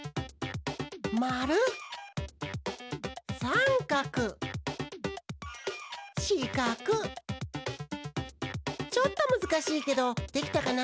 まるさんかくしかくちょっとむずかしいけどできたかな？